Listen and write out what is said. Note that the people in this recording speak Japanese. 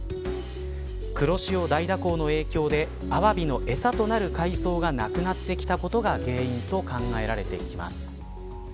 黒潮大蛇行の影響でアワビの餌となる海草がなくなってきたことが原因と考えられています。